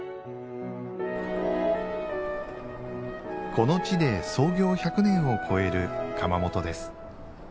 この地で創業１００年を超える窯元です